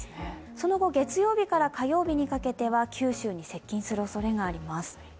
その後、月曜日から火曜日にかけては九州に接近するおそれがあります。